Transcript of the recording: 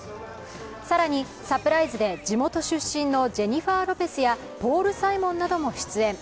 更にサプライズで地元出身のジェニファー・ロペスやポール・サイモンなども出演。